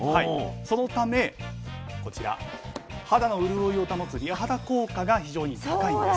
そのためこちら肌の潤いを保つ美肌効果が非常に高いんです。